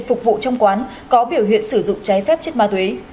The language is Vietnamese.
phục vụ trong quán có biểu hiện sử dụng trái phép chất ma túy